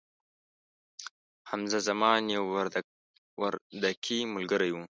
حمزه زما یو وردکې ملګري وو